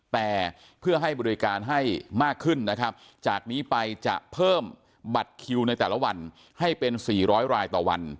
แต่เพื่อให้บริการให้มากขึ้นนะครับจากนี้ไปจะเพิ่มบัตรคิวในแต่ละวันให้เป็น๔๐๐รายต่อวัน